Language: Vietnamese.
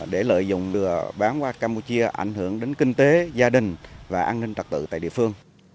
để lợi dụng đưa bán qua campuchia ảnh hưởng đến kinh tế gia đình và an ninh trật tự tại địa phương